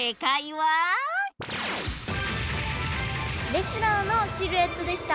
レスラーのシルエットでした。